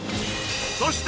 そして